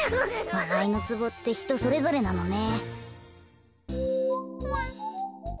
わらいのツボってひとそれぞれなのね。